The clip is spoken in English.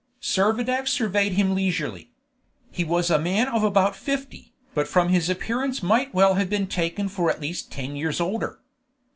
Servadac surveyed him leisurely. He was a man of about fifty, but from his appearance might well have been taken for at least ten years older.